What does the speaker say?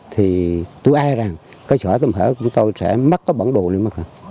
thì tôi ai rằng chợ tâm hở của chúng ta sẽ mất bản đồ